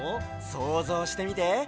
そうぞうしてみて！